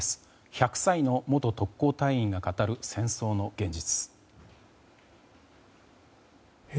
１００歳の元特攻隊員が語る戦争の現実。